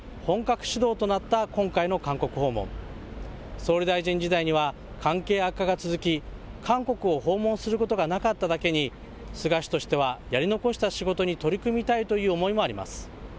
総理大臣時代には関係悪化が続き、韓国を訪問することがなかっただけに、菅氏としてはやり残した仕事に取り組みたいという思いもあります。